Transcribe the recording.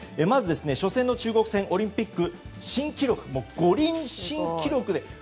まず、初戦の中国戦オリンピック新記録五輪新記録で。